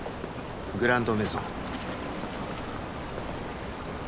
「グランドメゾン」